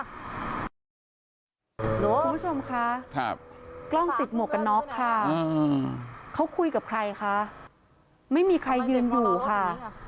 คุณผู้ชมคะกล้องติดหมวกกันน็อกค่ะเขาคุยกับใครคะไม่มีใครยืนอยู่ค่ะ